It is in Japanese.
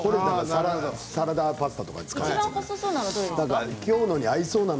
サラダパスタとかに使いそうな。